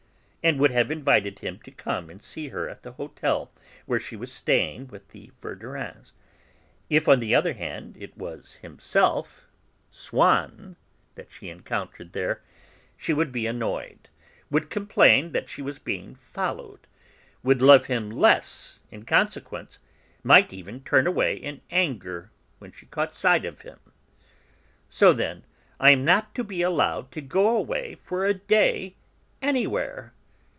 and would have invited him to come and see her at the hotel where she was staying with the Verdurins, if, on the other hand, it was himself, Swann, that she encountered there, she would be annoyed, would complain that she was being followed, would love him less in consequence, might even turn away in anger when she caught sight of him. "So, then, I am not to be allowed to go away for a day anywhere!"